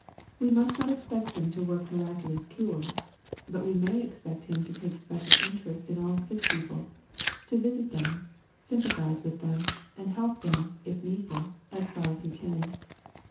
— We must not expect him to work miraculous cures, but we may expec t him to take a special interest in aU sick people, to visit them, sympathize with them, and help them, if needful, asTa r as he can.